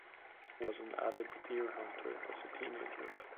Was an avid deer hunter as a teenager.